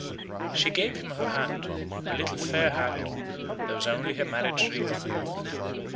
She gave him her hand, her little fair hand; there was only her marriage ring on it.